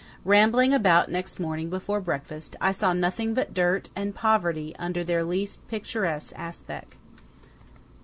Rambling about next morning before breakfast, I saw nothing but dirt and poverty under their least picturesque aspect.